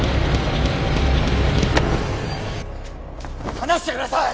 放してください！